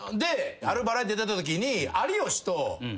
あるバラエティー出たときに。